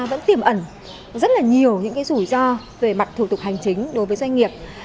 vẫn tiềm ẩn rất nhiều rủi ro về mặt thủ tục hành chính đối với doanh nghiệp